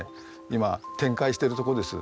今展開してるとこです。